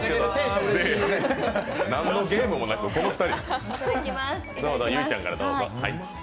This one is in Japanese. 何のゲームもなく、この２人。